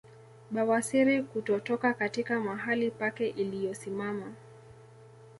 Bawasiri kutotoka katika mahali pake iliyosimama